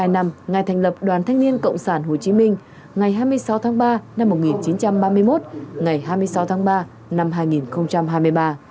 hai mươi năm ngày thành lập đoàn thanh niên cộng sản hồ chí minh ngày hai mươi sáu tháng ba năm một nghìn chín trăm ba mươi một ngày hai mươi sáu tháng ba năm hai nghìn hai mươi ba